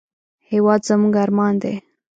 هېواد زموږ ارمان دی